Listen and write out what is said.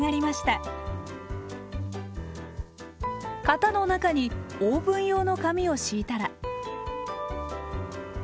型の中にオーブン用の紙を敷いたら。